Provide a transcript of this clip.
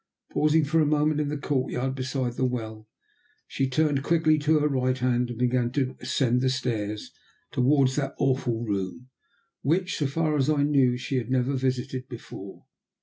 Pausing for a moment in the courtyard beside the well, she turned quickly to her right hand and began to ascend the stairs towards that awful room, which, so far as I knew, she had never visited before.